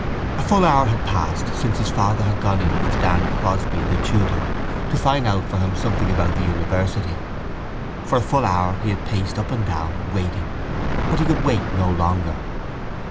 A full hour had passed since his father had gone in with Dan Crosby, the tutor, to find out for him something about the university. For a full hour he had paced up and down, waiting: but he could wait no longer.